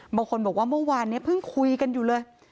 บางคนบอกว่าเมื่อวานนี้เพิ่งคุยกันอยู่เลย